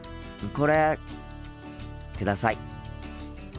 これください。